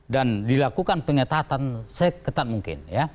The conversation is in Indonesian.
dan dilakukan pengetahuan seketat mungkin